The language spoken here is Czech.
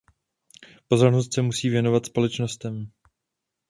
Pozornost se musí věnovat společnostem.